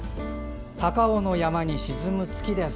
高尾の山に沈む月です。